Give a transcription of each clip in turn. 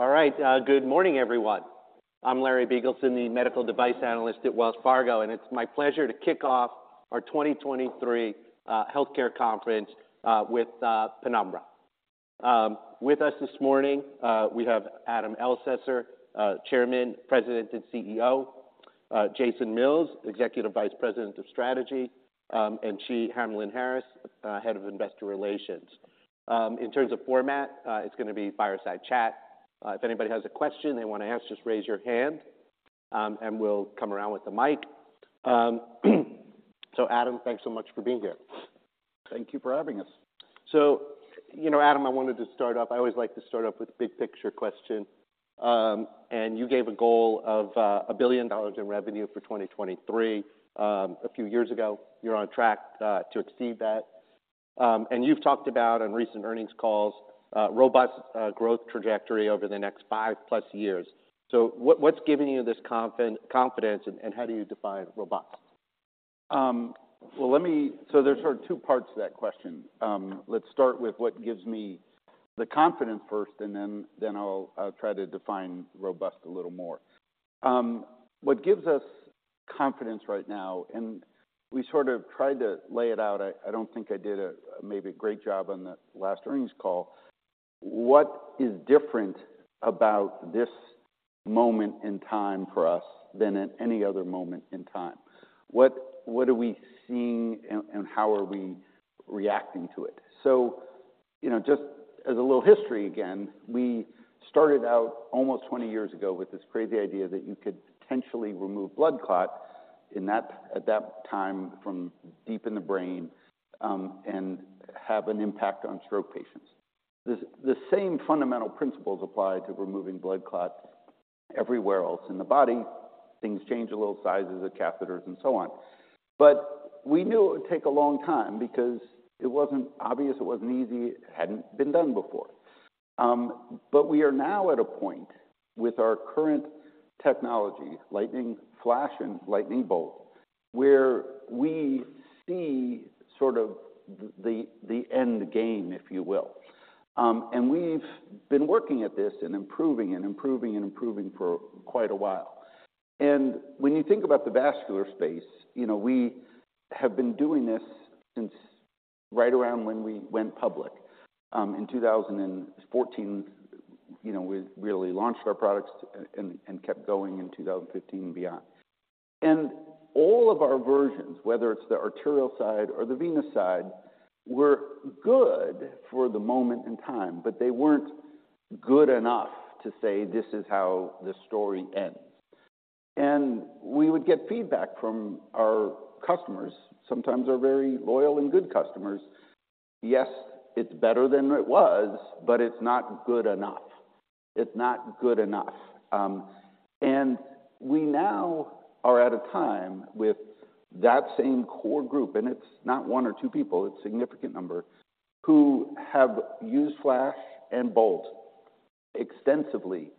All right. Good morning, everyone. I'm Larry Biegelsen, the medical device analyst at Wells Fargo, and it's my pleasure to kick off our 2023 healthcare conference with Penumbra. With us this morning, we have Adam Elsesser, Chairman, President, and CEO, Jason Mills, Executive Vice President of Strategy, and Jee Hamlyn-Harris, Head of Investor Relations. In terms of format, it's going to be fireside chat. If anybody has a question they want to ask, just raise your hand, and we'll come around with the mic. So Adam, thanks so much for being here. Thank you for having us. So, you know, Adam, I wanted to start off. I always like to start off with a big-picture question. And you gave a goal of $1 billion in revenue for 2023 a few years ago. You're on track to exceed that. And you've talked about on recent earnings calls robust growth trajectory over the next five plus years. So what, what's giving you this confidence, and how do you define robust? Well, let me... So there's sort of two parts to that question. Let's start with what gives me the confidence first, and then, then I'll, I'll try to define robust a little more. What gives us confidence right now, and we sort of tried to lay it out. I, I don't think I did a maybe a great job on the last earnings call. What is different about this moment in time for us than at any other moment in time? What, what are we seeing and, and how are we reacting to it? So, you know, just as a little history again, we started out almost 20 years ago with this crazy idea that you could potentially remove blood clots, and that, at that time, from deep in the brain, and have an impact on stroke patients. The same fundamental principles apply to removing blood clots everywhere else in the body. Things change a little, sizes of catheters and so on. But we knew it would take a long time because it wasn't obvious, it wasn't easy, it hadn't been done before. But we are now at a point with our current technology, Lightning Flash and Lightning Bolt, where we see sort of the, the end game, if you will. And we've been working at this and improving and improving and improving for quite a while. And when you think about the vascular space, you know, we have been doing this since right around when we went public. In 2014, you know, we really launched our products and, and kept going in 2015 beyond. And all of our versions, whether it's the arterial side or the venous side, were good for the moment in time, but they weren't good enough to say, "This is how the story ends." And we would get feedback from our customers, sometimes our very loyal and good customers. "Yes, it's better than it was, but it's not good enough. It's not good enough." And we now are at a time with that same core group, and it's not one or two people, it's a significant number, who have used Flash and Bolt extensively.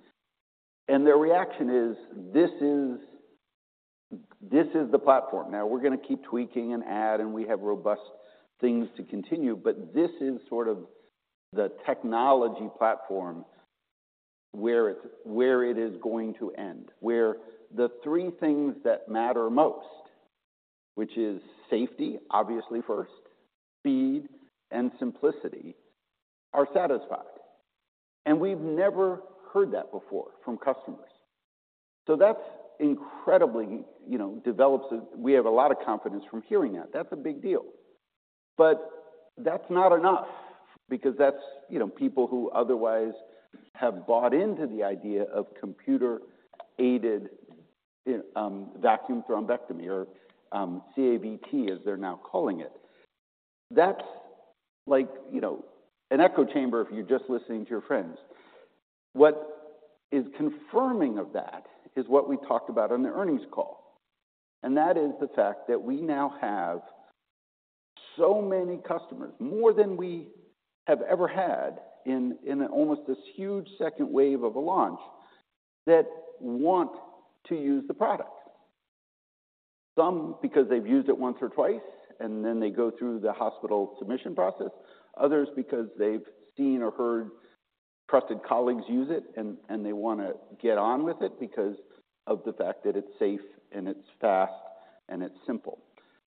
And their reaction is, "This is, this is the platform." Now, we're going to keep tweaking and add, and we have robust things to continue, but this is sort of the technology platform where it's where it is going to end. Where the three things that matter most, which is safety, obviously first, speed, and simplicity, are satisfied. And we've never heard that before from customers. So that's incredibly, you know, We have a lot of confidence from hearing that. That's a big deal. But that's not enough because that's, you know, people who otherwise have bought into the idea of computer-aided vacuum thrombectomy, or CAVT, as they're now calling it. That's like, you know, an echo chamber if you're just listening to your friends. What is confirming of that is what we talked about on the earnings call, and that is the fact that we now have so many customers, more than we have ever had in almost this huge second wave of a launch, that want to use the product. Some because they've used it once or twice, and then they go through the hospital submission process. Others because they've seen or heard trusted colleagues use it, and they want to get on with it because of the fact that it's safe and it's fast and it's simple.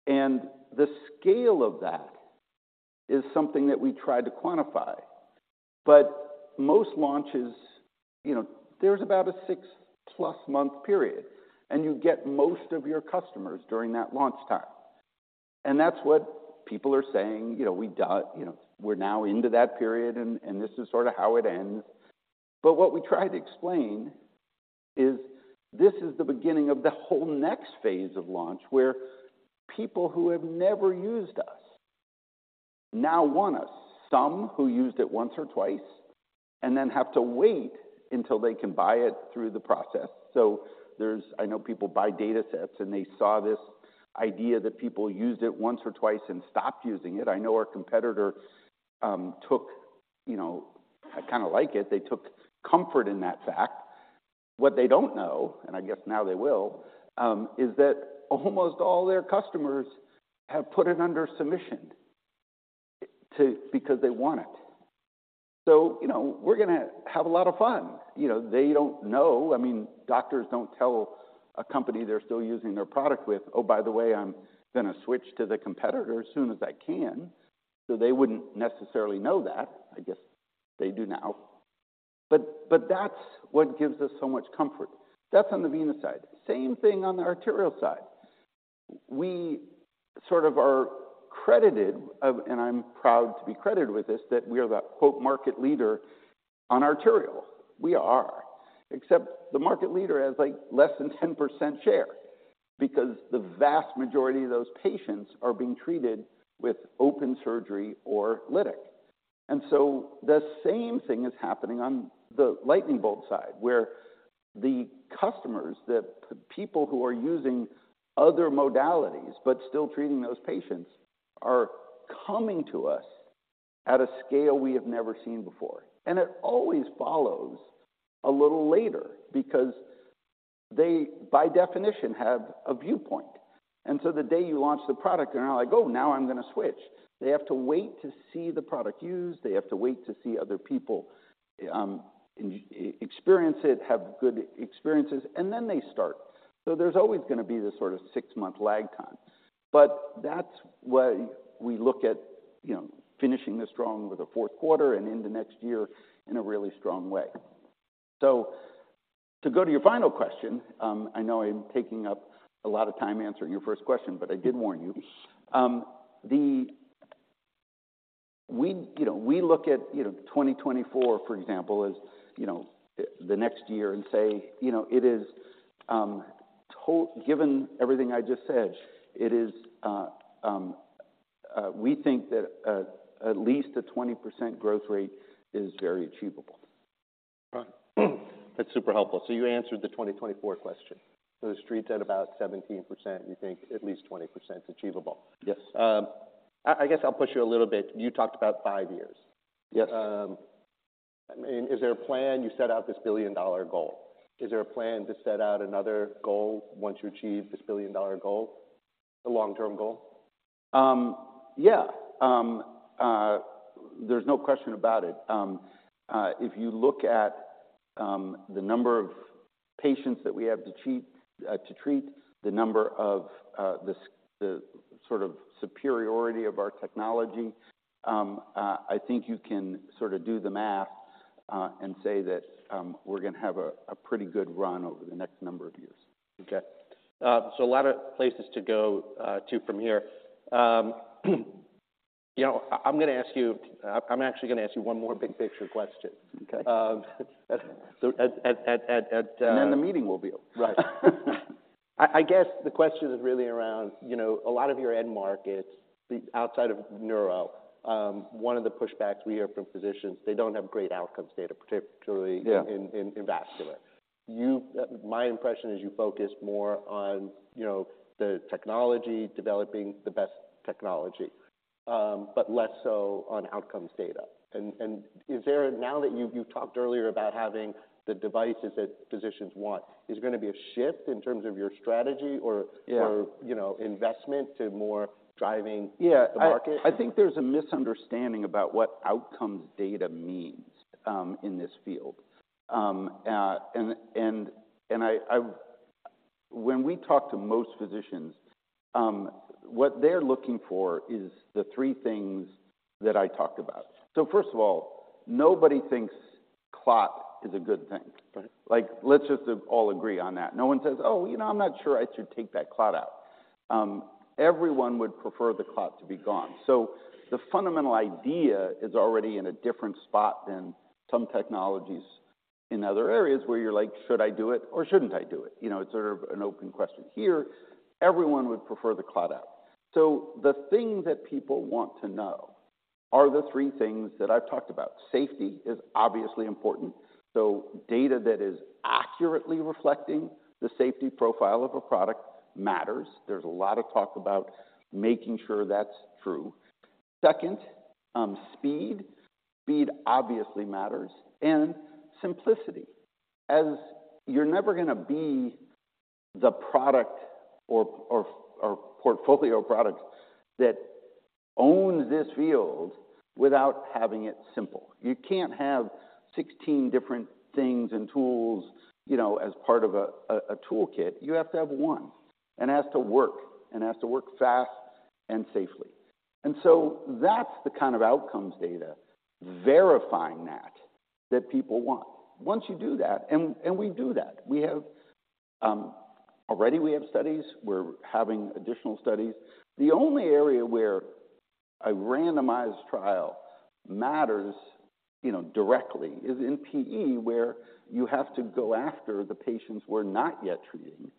The scale of that is something that we tried to quantify. Most launches, you know, there's about a six plus month period, and you get most of your customers during that launch time. That's what people are saying, you know, we done. You know, we're now into that period, and this is sort of how it ends. What we tried to explain is this is the beginning of the whole next phase of launch, where people who have never used us now want us. Some who used it once or twice and then have to wait until they can buy it through the process. So there's. I know people buy data sets, and they saw this idea that people used it once or twice and stopped using it. I know our competitor took, you know, I kind of like it. They took comfort in that fact, what they don't know, and I guess now they will, is that almost all their customers have put it under submission to-- because they want it. So, you know, we're gonna have a lot of fun. You know, they don't know. I mean, doctors don't tell a company they're still using their product with, "Oh, by the way, I'm gonna switch to the competitor as soon as I can." So they wouldn't necessarily know that. I guess they do now. But, but that's what gives us so much comfort. That's on the venous side. Same thing on the arterial side. We sort of are credited of, and I'm proud to be credited with this, that we are the, quote, "market leader" on arterial. We are, except the market leader has, like, less than 10% share because the vast majority of those patients are being treated with open surgery or lytic. And so the same thing is happening on the Lightning Bolt side, where the customers, the, the people who are using other modalities but still treating those patients, are coming to us at a scale we have never seen before. And it always follows a little later because they, by definition, have a viewpoint. And so the day you launch the product, they're not like: Oh, now I'm gonna switch. They have to wait to see the product used. They have to wait to see other people experience it, have good experiences, and then they start. So there's always gonna be this sort of six-month lag time, but that's why we look at, you know, finishing this strong with the fourth quarter and into next year in a really strong way. So to go to your final question, I know I'm taking up a lot of time answering your first question, but I did warn you. We, you know, we look at, you know, 2024, for example, as, you know, the next year and say, you know, it is given everything I just said, it is, we think that at least a 20% growth rate is very achievable. Right. That's super helpful. So you answered the 2024 question. So the street's at about 17%, you think at least 20% is achievable? Yes. I guess I'll push you a little bit. You talked about five years. Yes. I mean, is there a plan? You set out this billion-dollar goal. Is there a plan to set out another goal once you achieve this billion-dollar goal, the long-term goal? Yeah. There's no question about it. If you look at the number of patients that we have to treat, the sort of superiority of our technology, I think you can sort of do the math and say that we're gonna have a pretty good run over the next number of years. Okay. So a lot of places to go to from here. You know, I'm gonna ask you... I'm actually gonna ask you one more big-picture question. Okay. So at... The meeting will be over. Right. I, I guess the question is really around, you know, a lot of your end markets, outside of neuro, one of the pushbacks we hear from physicians, they don't have great outcomes data, particularly- Yeah... in vascular. You, my impression is you focus more on, you know, the technology, developing the best technology, but less so on outcomes data. And is there... Now that you've talked earlier about having the devices that physicians want, is there gonna be a shift in terms of your strategy or- Yeah... or, you know, investment to more driving- Yeah -the market? I think there's a misunderstanding about what outcomes data means in this field. When we talk to most physicians, what they're looking for is the three things that I talked about. So first of all, nobody thinks clot is a good thing. Right. Like, let's just all agree on that. No one says, "Oh, you know, I'm not sure I should take that clot out." Everyone would prefer the clot to be gone. So the fundamental idea is already in a different spot than some technologies in other areas where you're like, "Should I do it, or shouldn't I do it?" You know, it's sort of an open question. Here, everyone would prefer the clot out. So the thing that people want to know are the three things that I've talked about. Safety is obviously important, so data that is accurately reflecting the safety profile of a product matters. There's a lot of talk about making sure that's true. Second, speed. Speed obviously matters, and simplicity, as you're never gonna be the product or portfolio product that owns this field without having it simple. You can't have 16 different things and tools, you know, as part of a toolkit. You have to have one, and it has to work, and it has to work fast and safely. And so that's the kind of outcomes data verifying that, that people want. Once you do that, and we do that, we have already studies. We're having additional studies. The only area where a randomized trial matters, you know, directly is in PE, where you have to go after the patients we're not yet treating,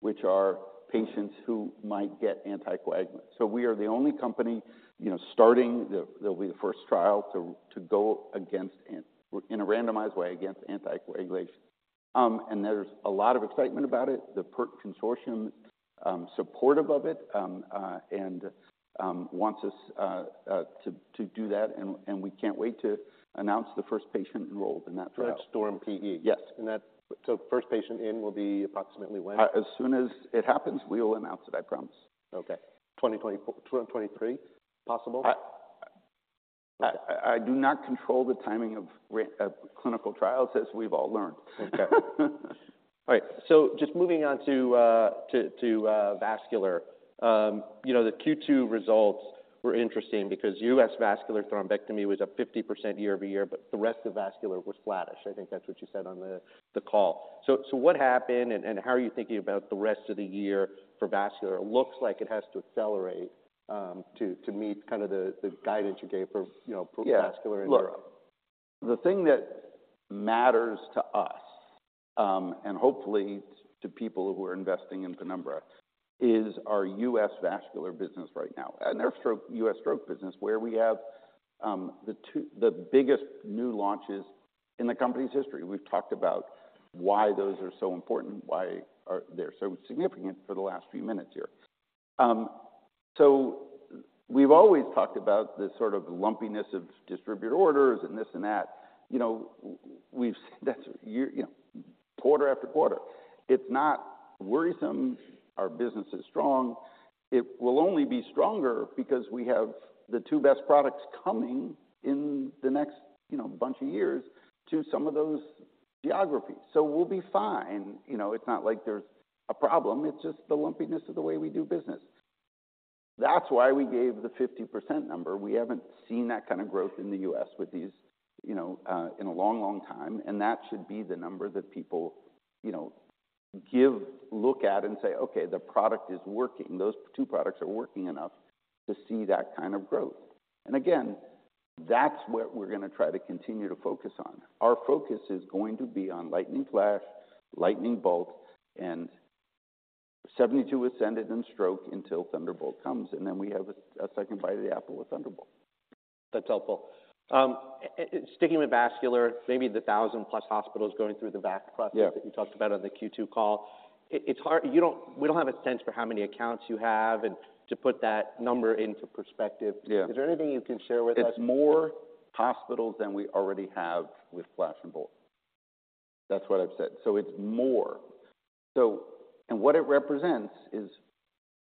which are patients who might get anticoagulants. So we are the only company, you know, starting—the, that will be the first trial to, to go against, in a randomized way, against anticoagulation. And there's a lot of excitement about it. The PERT Consortium-... supportive of it, and to do that, and we can't wait to announce the first patient enrolled in that trial. STORM-PE. Yes. And that, so first patient in will be approximately when? As soon as it happens, we will announce it, I promise. Okay. 2024... 2023 possible? I do not control the timing of clinical trials, as we've all learned. Okay. All right, so just moving on to vascular. You know, the Q2 results were interesting because U.S. vascular thrombectomy was up 50% year-over-year, but the rest of vascular was flattish. I think that's what you said on the call. So what happened, and how are you thinking about the rest of the year for vascular? It looks like it has to accelerate to meet kind of the guidance you gave for, you know, vascular in Europe. Yeah. Look, the thing that matters to us, and hopefully to people who are investing in Penumbra, is our U.S. vascular business right now and our stroke, U.S. stroke business, where we have the two biggest new launches in the company's history. We've talked about why those are so important, why they're so significant for the last few minutes here. So we've always talked about the sort of lumpiness of distributor orders and this and that. You know, we've said that year, you know, quarter after quarter. It's not worrisome. Our business is strong. It will only be stronger because we have the two best products coming in the next, you know, bunch of years to some of those geographies. So we'll be fine. You know, it's not like there's a problem. It's just the lumpiness of the way we do business. That's why we gave the 50% number. We haven't seen that kind of growth in the U.S. with these, you know, in a long, long time, and that should be the number that people, you know, give, look at, and say, "Okay, the product is working. Those two products are working enough to see that kind of growth." And again, that's what we're going to try to continue to focus on. Our focus is going to be on Lightning Flash, Lightning Bolt, and RED 72 SENDit in stroke until Thunderbolt comes, and then we have a second bite of the apple with Thunderbolt. That's helpful. Sticking with vascular, maybe the 1,000-plus hospitals going through the VAC process- Yeah. that you talked about on the Q2 call. It's hard. We don't have a sense for how many accounts you have and to put that number into perspective. Yeah. Is there anything you can share with us? It's more hospitals than we already have with Flash and Bolt. That's what I've said. So it's more. So, and what it represents is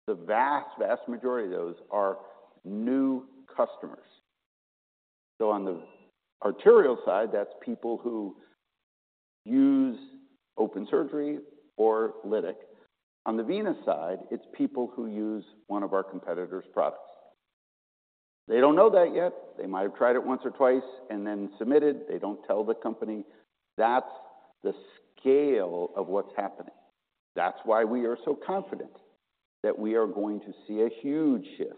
the vast, vast majority of those are new customers. So on the arterial side, that's people who use open surgery or lytic. On the venous side, it's people who use one of our competitors' products. They don't know that yet. They might have tried it once or twice and then submitted. They don't tell the company. That's the scale of what's happening. That's why we are so confident that we are going to see a huge shift.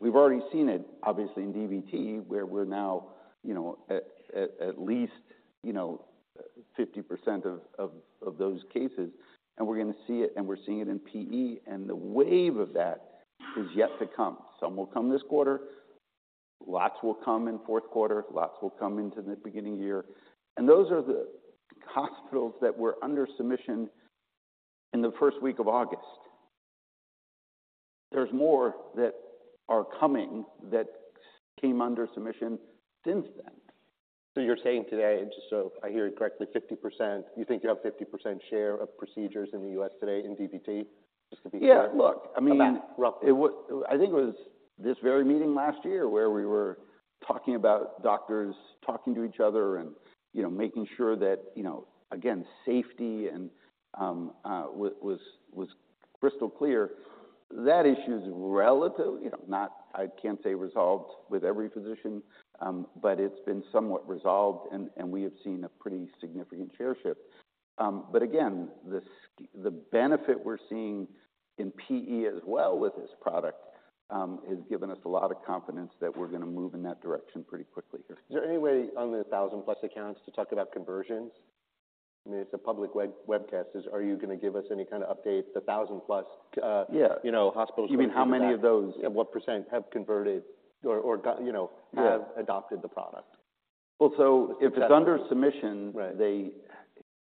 We've already seen it, obviously, in DVT, where we're now, you know, at least, you know, 50% of those cases, and we're going to see it, and we're seeing it in PE, and the wave of that is yet to come. Some will come this quarter. Lots will come in fourth quarter. Lots will come into the beginning year. And those are the hospitals that were under submission in the first week of August. There's more that are coming that came under submission since then. So you're saying today, just so I hear it correctly, 50%... You think you have 50% share of procedures in the U.S. today in DVT? Just to be clear. Yeah, look, I mean- Rough. I think it was this very meeting last year where we were talking about doctors talking to each other and, you know, making sure that, you know, again, safety and was crystal clear. That issue is relatively, you know, not, I can't say resolved with every physician, but it's been somewhat resolved, and we have seen a pretty significant share shift. But again, the benefit we're seeing in PE as well with this product has given us a lot of confidence that we're going to move in that direction pretty quickly here. Is there any way, on the 1,000-plus accounts, to talk about conversions? I mean, it's a public web, webcast. Are you going to give us any kind of update, the 1,000-plus- Yeah. You know, hospitals- Even how many of those- What percent have converted or, you know- Yeah... have adopted the product? Well, so if it's under submission- Right. They-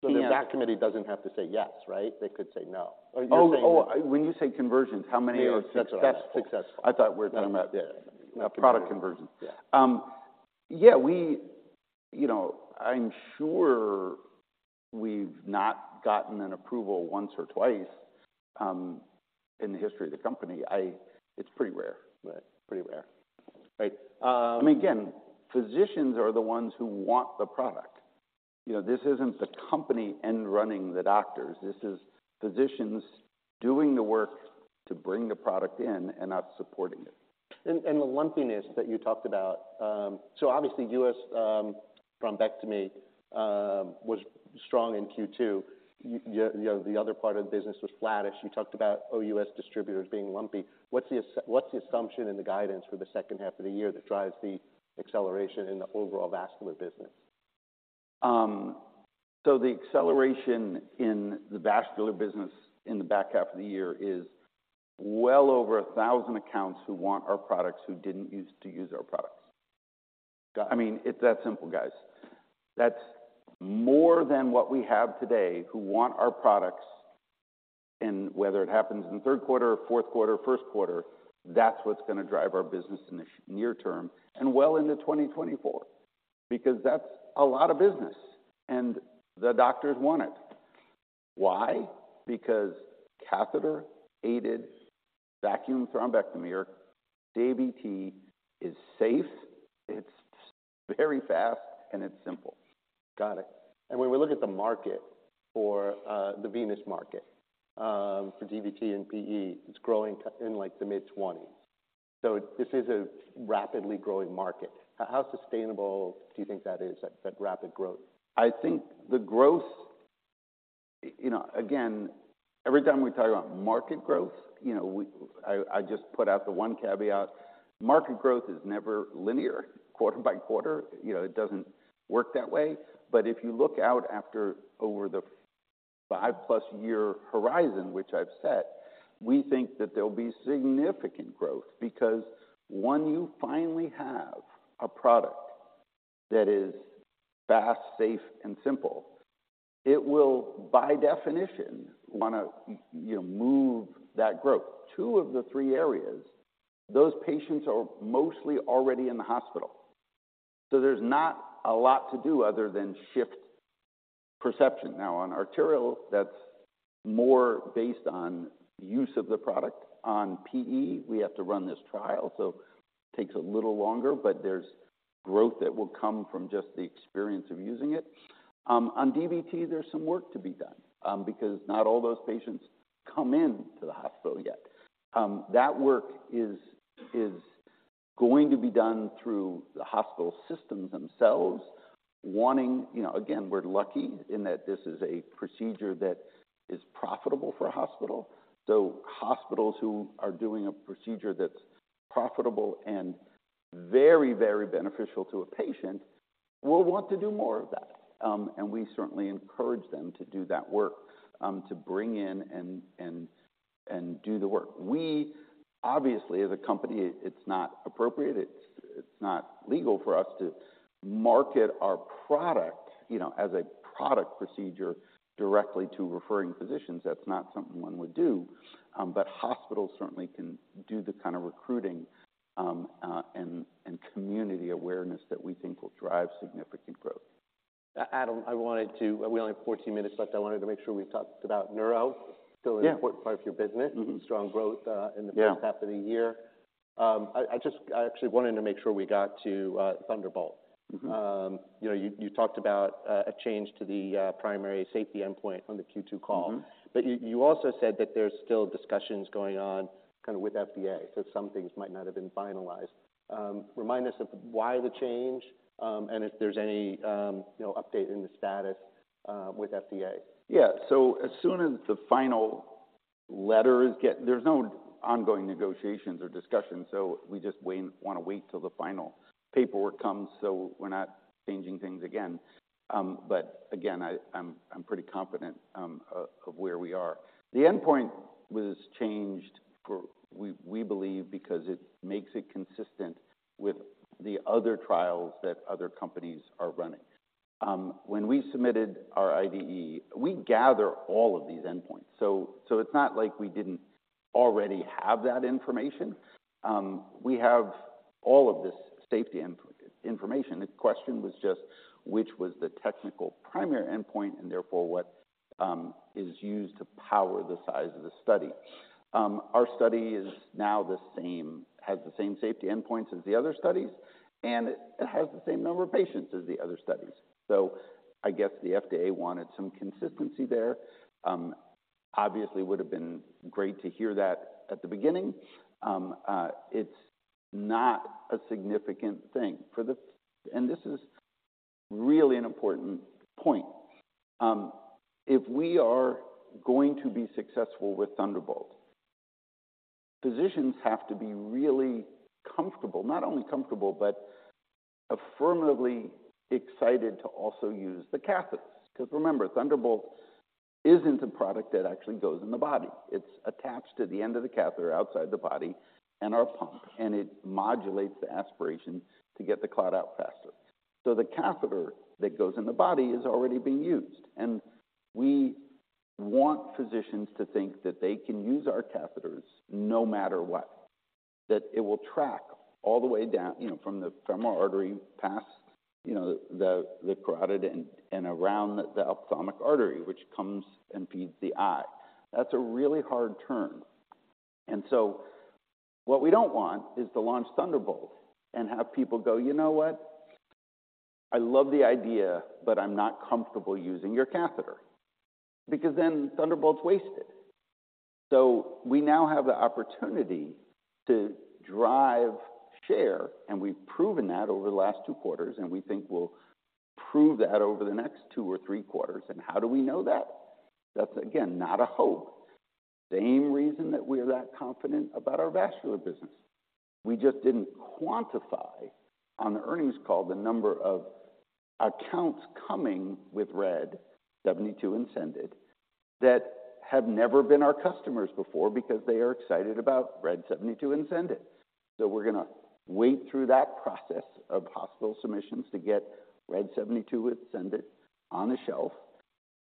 The VAC committee doesn't have to say yes, right? They could say no. Or you're saying- Oh, oh, when you say conversions, how many are successful? Successful. I thought we were talking about- Yeah... product conversions. Yeah. Yeah, we... You know, I'm sure we've not gotten an approval once or twice, in the history of the company. It's pretty rare. Right. Pretty rare. Right, um- I mean, again, physicians are the ones who want the product. You know, this isn't the company end-running the doctors. This is physicians doing the work to bring the product in and us supporting it. And the lumpiness that you talked about. So obviously, US thrombectomy was strong in Q2. You know, the other part of the business was flattish. You talked about OUS distributors being lumpy. What's the assumption in the guidance for the second half of the year that drives the acceleration in the overall vascular business? So the acceleration in the vascular business in the back half of the year is well over 1,000 accounts who want our products, who didn't use to use our products. I mean, it's that simple, guys. That's more than what we have today, who want our products, and whether it happens in the third quarter or fourth quarter, first quarter, that's what's going to drive our business in the short near term and well into 2024, because that's a lot of business, and the doctors want it. Why? Because computer-assisted vacuum thrombectomy, DVT, is safe, it's very fast, and it's simple. Got it. And when we look at the market for the venous market for DVT and PE, it's growing in, like, the mid-twenties. So this is a rapidly growing market. How sustainable do you think that is, that rapid growth? I think the growth, you know, again, every time we talk about market growth, you know, I, I just put out the one caveat. Market growth is never linear, quarter by quarter, you know, it doesn't work that way. But if you look out after over the 5+ year horizon, which I've set, we think that there'll be significant growth because, one, you finally have a product that is fast, safe, and simple. It will, by definition, want to, you know, move that growth. Two of the three areas, those patients are mostly already in the hospital, so there's not a lot to do other than shift perception. Now, on arterial, that's more based on use of the product. On PE, we have to run this trial, so takes a little longer, but there's growth that will come from just the experience of using it. On DVT, there's some work to be done, because not all those patients come into the hospital yet. That work is going to be done through the hospital systems themselves, wanting... You know, again, we're lucky in that this is a procedure that is profitable for a hospital. So hospitals who are doing a procedure that's profitable and very, very beneficial to a patient will want to do more of that. And we certainly encourage them to do that work, to bring in and do the work. We obviously, as a company, it's not appropriate, it's not legal for us to market our product, you know, as a product procedure directly to referring physicians. That's not something one would do. But hospitals certainly can do the kind of recruiting, and community awareness that we think will drive significant growth. Adam, I wanted to... We only have 14 minutes left. I wanted to make sure we've talked about neuro. Yeah. Still an important part of your business. Mm-hmm. Strong growth, Yeah... in the first half of the year. I actually wanted to make sure we got to Thunderbolt. Mm-hmm. You know, you talked about a change to the primary safety endpoint on the Q2 call. Mm-hmm. But you also said that there's still discussions going on kind of with FDA, so some things might not have been finalized. Remind us of why the change, and if there's any, you know, update in the status with FDA. Yeah. So as soon as the final letter is - there's no ongoing negotiations or discussions, so we just wait, want to wait till the final paperwork comes, so we're not changing things again. But again, I'm pretty confident of where we are. The endpoint was changed, we believe, because it makes it consistent with the other trials that other companies are running. When we submitted our IDE, we gather all of these endpoints, so it's not like we didn't already have that information. We have all of this safety information. The question was just which was the technical primary endpoint and therefore what is used to power the size of the study? Our study now has the same safety endpoints as the other studies, and it has the same number of patients as the other studies. So I guess the FDA wanted some consistency there. Obviously, would have been great to hear that at the beginning. It's not a significant thing for the... And this is really an important point. If we are going to be successful with Thunderbolt, physicians have to be really comfortable, not only comfortable, but affirmatively excited to also use the catheters. 'Cause remember, Thunderbolt isn't a product that actually goes in the body. It's attached to the end of the catheter outside the body and our pump, and it modulates the aspiration to get the clot out faster. So the catheter that goes in the body is already being used, and we want physicians to think that they can use our catheters no matter what, that it will track all the way down, you know, from the femoral artery past, you know, the carotid and around the ophthalmic artery, which comes and feeds the eye. That's a really hard turn. And so what we don't want is to launch Thunderbolt and have people go, "You know what? I love the idea, but I'm not comfortable using your catheter." Because then Thunderbolt's wasted. So we now have the opportunity to drive share, and we've proven that over the last two quarters, and we think we'll prove that over the next two or three quarters. And how do we know that? That's, again, not a hope. Same reason that we're that confident about our vascular business. We just didn't quantify on the earnings call the number of accounts coming with RED 72 and SENDit that have never been our customers before because they are excited about RED 72 and SENDit. So we're going to wait through that process of hospital submissions to get RED 72 with SENDit on the shelf,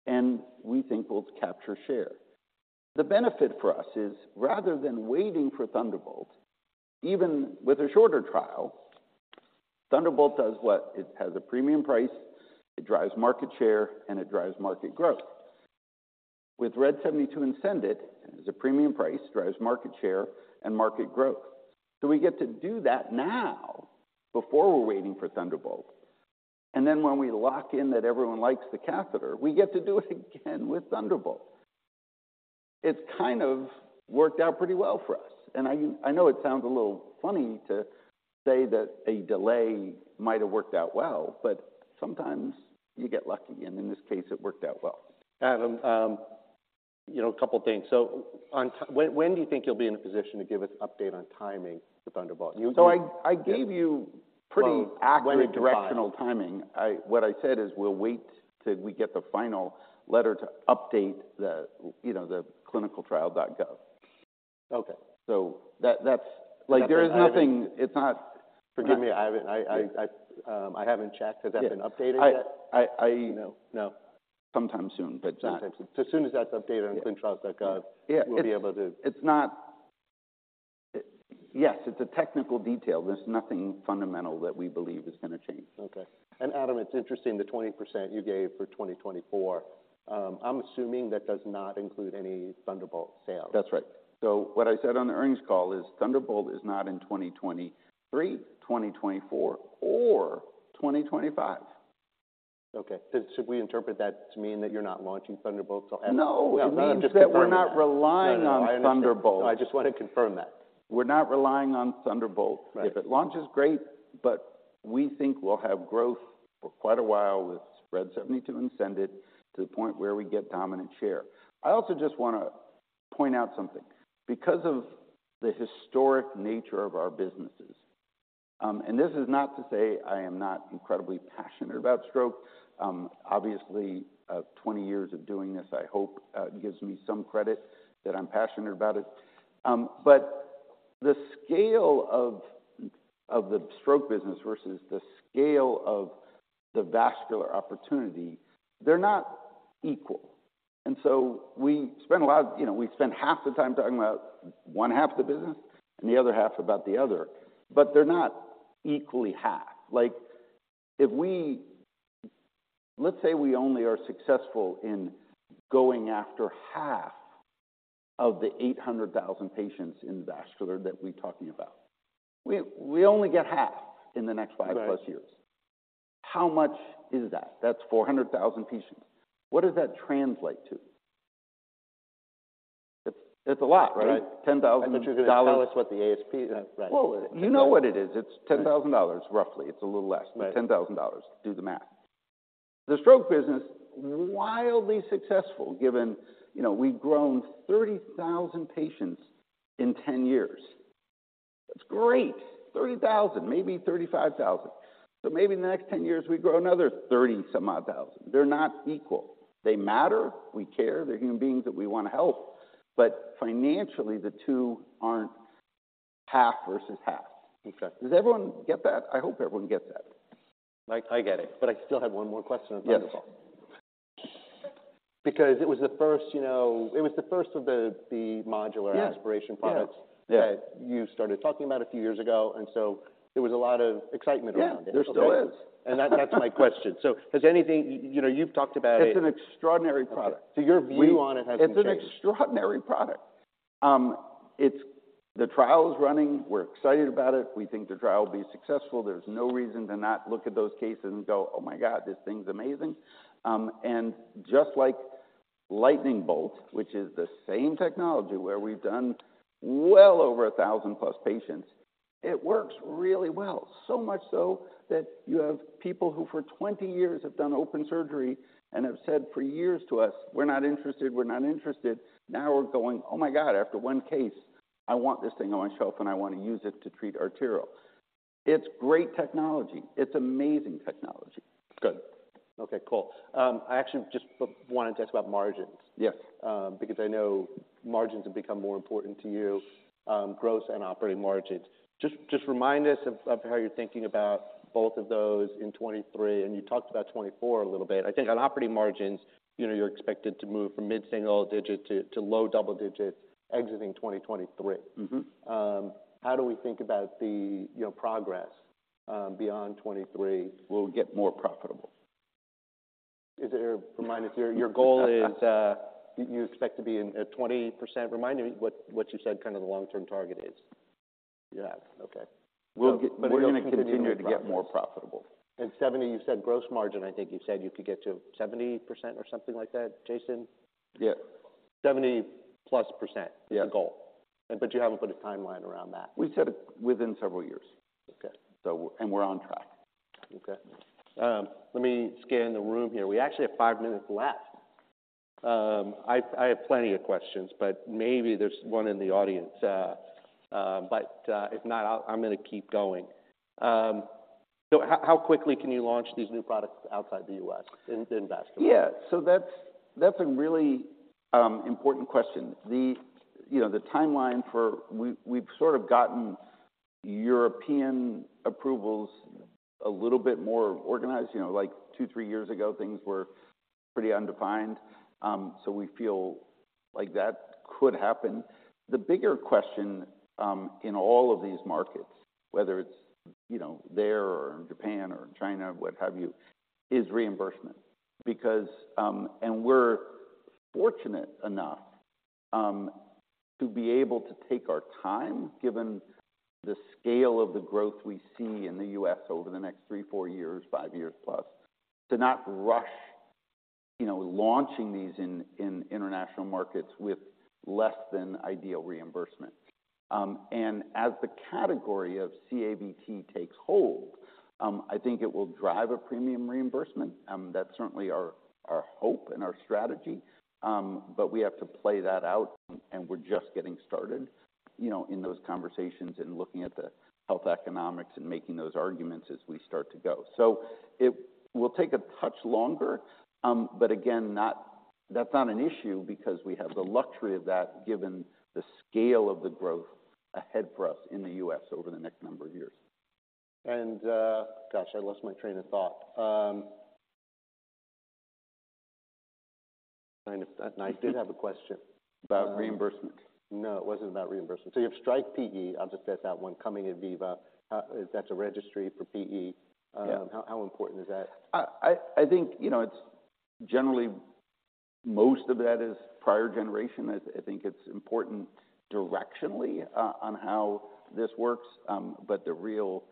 and we think we'll capture share. The benefit for us is, rather than waiting for Thunderbolt, even with a shorter trial, Thunderbolt does what? It has a premium price, it drives market share, and it drives market growth. With RED 72 and SENDit, it has a premium price, drives market share and market growth. So we get to do that now before we're waiting for Thunderbolt, and then when we lock in that everyone likes the catheter, we get to do it again with Thunderbolt. It's kind of worked out pretty well for us, and I, I know it sounds a little funny to say that a delay might have worked out well, but sometimes you get lucky, and in this case, it worked out well. Adam, you know, a couple things. So when do you think you'll be in a position to give us an update on timing for Thunderbolt? So I gave you pretty accurate- Well, when it comes to- Directional timing. What I said is we'll wait till we get the final letter to update the, you know, the ClinicalTrials.gov. Okay. That, that's... Like, there is nothing- I haven't- It's not- Forgive me, I haven't checked. Yeah. Has that been updated yet? I, I, I- No. No. Sometime soon, but. So as soon as that's updated on ClinicalTrials.gov- Yeah... we'll be able to- It's not... Yes, it's a technical detail. There's nothing fundamental that we believe is going to change. Okay. And Adam, it's interesting, the 20% you gave for 2024, I'm assuming that does not include any Thunderbolt sales? That's right. So what I said on the earnings call is Thunderbolt is not in 2023, 2024 or 2025. Okay. So should we interpret that to mean that you're not launching Thunderbolt until- No! Well, I'm just confirming that. It means that we're not relying on Thunderbolt. No, I understand. I just wanted to confirm that. We're not relying on Thunderbolt. Right. If it launches, great, but we think we'll have growth for quite a while with RED 72 and SENDit to the point where we get dominant share. I also just want to point out something. Because of the historic nature of our businesses, and this is not to say I am not incredibly passionate about stroke. Obviously, 20 years of doing this, I hope, gives me some credit that I'm passionate about it. But the scale of the stroke business versus the scale of the vascular opportunity, they're not equal. And so we spend a lot. You know, we spend half the time talking about one half of the business and the other half about the other, but they're not equally half. Like, if we—let's say we only are successful in going after half of the 800,000 patients in vascular that we're talking about. We only get half in the next five- Right... plus years. How much is that? That's 400,000 patients. What does that translate to? It's a lot, right? Right. $10,000. You're going to tell us what the ASP... Right. Well, you know what it is. Right. It's $10,000, roughly. It's a little less- Right But $10,000. Do the math. The stroke business, wildly successful, given, you know, we've grown 30,000 patients in 10 years. That's great! 30,000, maybe 35,000. So maybe in the next 10 years, we grow another 30-some odd thousand. They're not equal. They matter. We care. They're human beings that we want to help. But financially, the two aren't half versus half. Okay. Does everyone get that? I hope everyone gets that. Like, I get it, but I still had one more question on Thunderbolt. Yes. Because it was the first, you know, of the modular- Yeah aspiration products Yeah that you started talking about a few years ago, and so there was a lot of excitement around it. Yeah, there still is. That's, that's my question. Has anything... You know, you've talked about it- It's an extraordinary product. Okay. So your view on it hasn't changed? It's an extraordinary product. It's the trial is running. We're excited about it. We think the trial will be successful. There's no reason to not look at those cases and go, "Oh, my God, this thing's amazing!" Just like Lightning Bolt, which is the same technology, where we've done well over 1,000+ patients, it works really well. So much so that you have people who, for 20 years, have done open surgery and have said for years to us, "We're not interested. We're not interested." Now we're going, "Oh my God, after one case, I want this thing on my shelf, and I want to use it to treat arterials." It's great technology. It's amazing technology. Good. Okay, cool. I actually just wanted to ask about margins. Yes. Because I know margins have become more important to you, gross and operating margins. Just remind us of how you're thinking about both of those in 2023, and you talked about 2024 a little bit. I think on operating margins, you know, you're expected to move from mid-single digits to low double digits exiting 2023. Mm-hmm. How do we think about the, you know, progress beyond 2023? We'll get more profitable. Is there... Remind us, your goal is, you expect to be in at 20%. Remind me what, what you said kind of the long-term target is. Yeah. Okay. We'll get- But we're going to continue- We're going to continue to get more profitable. 70, you said gross margin. I think you said you could get to 70% or something like that, Jason? Yeah. 70%+ - Yeah - is the goal. But you haven't put a timeline around that? We said within several years. Okay. So, and we're on track. Okay. Let me scan the room here. We actually have five minutes left... I have plenty of questions, but maybe there's one in the audience. If not, I'm gonna keep going. How quickly can you launch these new products outside the U.S., in Canada? Yeah. So that's a really important question. You know, the timeline for. We've sort of gotten European approvals a little bit more organized. You know, like, 2-3 years ago, things were pretty undefined. So we feel like that could happen. The bigger question in all of these markets, whether it's, you know, there or in Japan or China, what have you, is reimbursement. Because. We're fortunate enough to be able to take our time, given the scale of the growth we see in the U.S. over the next 3-4 years, 5 years plus, to not rush, you know, launching these in international markets with less than ideal reimbursement. And as the category of CAVT takes hold, I think it will drive a premium reimbursement. That's certainly our hope and our strategy. But we have to play that out, and we're just getting started, you know, in those conversations and looking at the health economics and making those arguments as we start to go. So it will take a touch longer, but again, that's not an issue because we have the luxury of that, given the scale of the growth ahead for us in the U.S. over the next number of years. Gosh, I lost my train of thought. I did have a question. About reimbursement? No, it wasn't about reimbursement. So you have STRIKE-PE. I'll just get that one coming in VIVA. That's a registry for PE. Yeah. How important is that? I think, you know, it's generally, most of that is prior generation. I think it's important directionally on how this works. But the real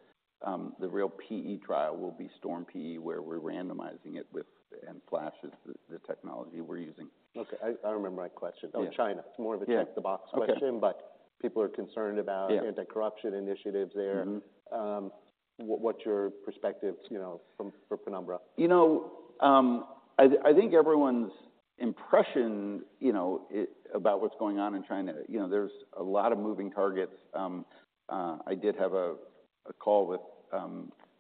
PE trial will be STORM-PE, where we're randomizing it with, and Flash is the technology we're using. Okay, I remember my question. Yeah. Oh, China. Yeah. More of a tick-the-box question- Okay. but people are concerned about- Yeah - Anticorruption initiatives there. Mm-hmm. What's your perspective, you know, for Penumbra? You know, I think everyone's impression, you know, about what's going on in China, you know, there's a lot of moving targets. I did have a call with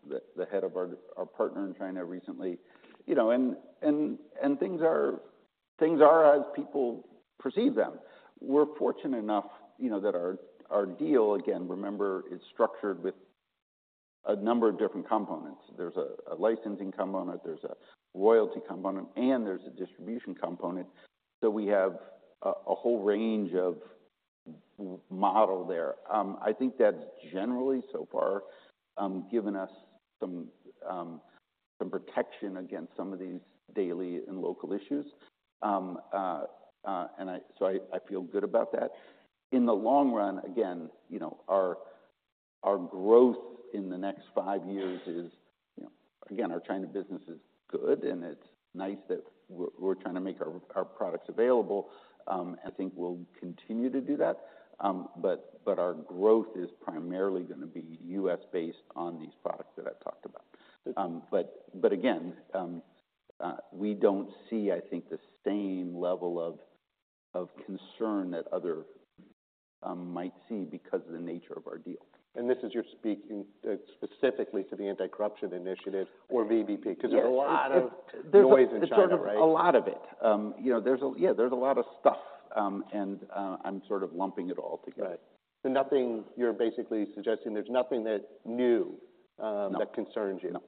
the head of our partner in China recently. You know, and things are as people perceive them. We're fortunate enough, you know, that our deal... Again, remember, it's structured with a number of different components. There's a licensing component, there's a royalty component, and there's a distribution component. So we have a whole range of model there. I think that's generally, so far, given us some protection against some of these daily and local issues. And so I feel good about that. In the long run, again, you know, our growth in the next five years is, you know. Again, our China business is good, and it's nice that we're trying to make our products available. I think we'll continue to do that. But our growth is primarily gonna be U.S.-based on these products that I've talked about. But again, we don't see, I think, the same level of concern that others might see because of the nature of our deal. This is you're speaking specifically to the anticorruption initiative or VBP? Yes. Because there's a lot of noise in China, right? There's a lot of it. You know, yeah, there's a lot of stuff, and I'm sort of lumping it all together. Right. So nothing, you're basically suggesting there's nothing that's new. No... that concerns you? No.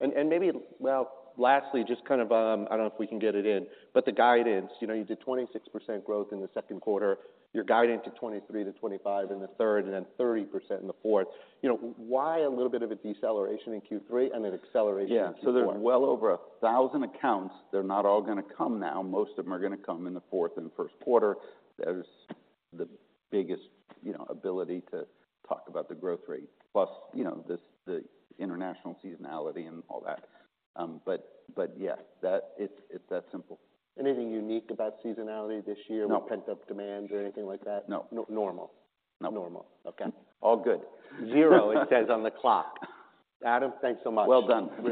Maybe, well, lastly, just kind of, I don't know if we can get it in, but the guidance, you know, you did 26% growth in the second quarter. You're guiding to 23%-25% in the third, and then 30% in the fourth. You know, why a little bit of a deceleration in Q3 and an acceleration in Q4? Yeah. So there's well over 1,000 accounts. They're not all gonna come now. Most of them are gonna come in the fourth and first quarter. There's the biggest, you know, ability to talk about the growth rate, plus, you know, this, the international seasonality and all that. But yeah, it's that simple. Anything unique about seasonality this year? No... with pent-up demand or anything like that? No. No- normal? No. Normal. Okay, all good. 0, it says on the clock. Adam, thanks so much. Well done.